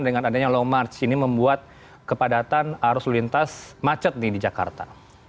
dengan adanya long march ini membuat kepadatan arus lintas macet nih di jakarta